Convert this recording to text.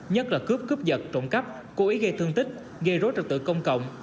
nhất là cướp cướp giật trộm cắp cố ý gây thương tích gây rối trật tự công cộng